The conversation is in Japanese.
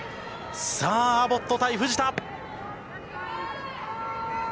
さあ、アボット対藤田！